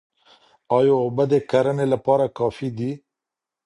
ايا اوبه د کرني لپاره کافي دي؟